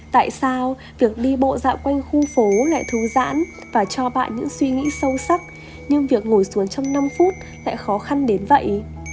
tại sao việc đi bộ dạo quanh khu phố lại thú giãn và cho bạn những suy nghĩ sâu sắc nhưng việc ngồi xuống trong năm phút lại khó khăn đến vậy